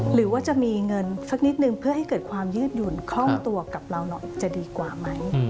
หรือว่าจะมีเงินสักนิดนึงเพื่อให้เกิดความยืดหยุ่นคล่องตัวกับเราหน่อยจะดีกว่าไหม